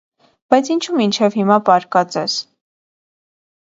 - Բայց ինչո՞ւ մինչև հիմա պառկած ես: